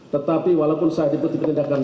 tetapi walaupun saya diputi pendidikan